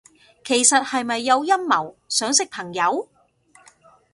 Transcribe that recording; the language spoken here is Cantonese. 其實係咪有陰謀，想識朋友？